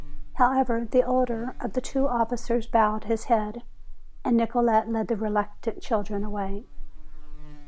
However, the older of the two officers bowed his head and Nicolete led the reluctant children away.